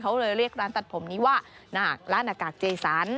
เขาเลยเรียกร้านตัดผมนี้ว่าหน้าร้านอากาศเจสัน